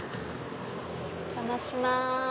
お邪魔します